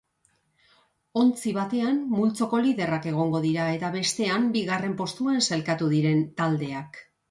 Ontzi batean multzoko liderrak egongo dira eta bestean bigarren postuan sailkatu diren taldeak.